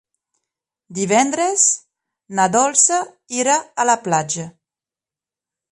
Divendres na Dolça irà a la platja.